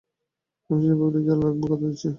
আমি সে ব্যাপারে খেয়াল রাখবো, কথা দিচ্ছি।